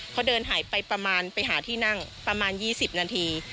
เขาเดินหายไปประมาณไปหาที่นั่งประมาณ๒๐นาที